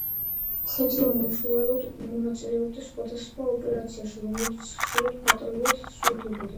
მხედრიონი უშუალოდ მონაწილეობას სხვადასხვა ოპერაციაში, რომლებიც ხშირად ფატალურად სრულდებოდა.